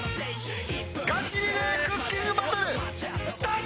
ガチリレークッキングバトルスタート！